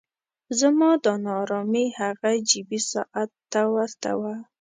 زما دا نا ارامي هغه جیبي ساعت ته ورته وه.